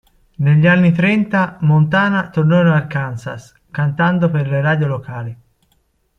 Negli anni trenta Montana tornò in Arkansas, cantando per le radio locali.